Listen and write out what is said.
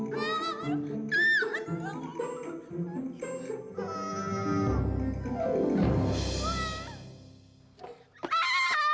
yaudah bangun yuk